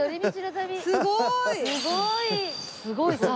すごーい！